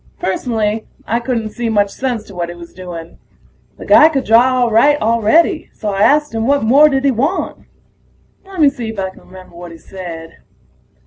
Personally, I couldn't see much sense to what he was doing. The guy could draw all right already, so I asked him what more did he want? Lemme see if I can remember what he said.